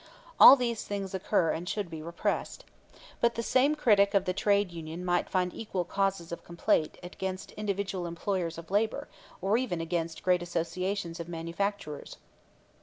All these things occur and should be repressed. But the same critic of the trade union might find equal causes of complaint against individual employers of labor, or even against great associations of manufacturers.